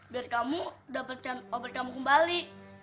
biar kamu dapatkan obat kamu kembali